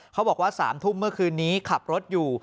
บอกว่า๓ทุ่มเมื่อคืนนี้ขับรถอยู่